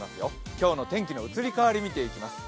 今日の天気の移り変わりを見ていきます。